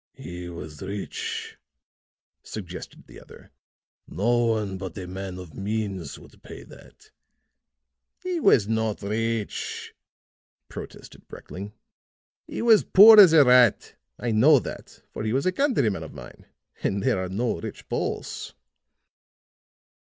"He was rich," suggested the other. "No one but a man of means would pay that." "He was not rich," protested Brekling. "He was as poor as a rat. I know that, for he was a countryman of mine, and there are no rich Poles."